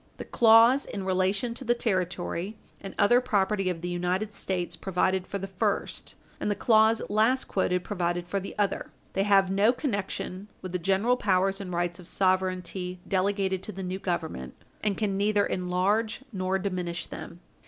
The clause in relation to the territory and other property of the United States provided for the first, and the clause last quoted provided for the other. They have no connection with the general powers and rights of sovereignty delegated to the new Government, and can neither enlarge nor diminish them.